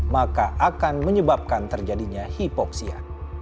maka akan menyebabkan terjadinya hipoksia